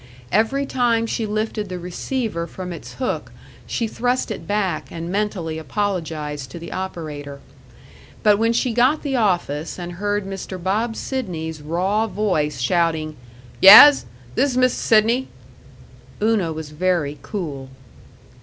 Every time she lifted the receiver from its hook she thrust it back and mentally apologized to the operator. But when she got the office and heard Mr. Bob Sidney's raw voice shouting, "Yas? This 's Mist' Sidney," Una was very cool.